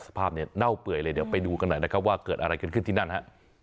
สภาพเนี่ยเน่าเปื่อยเลยเดี๋ยวไปดูกันหน่อยนะครับว่าเกิดอะไรขึ้นขึ้นที่นั่นฮะ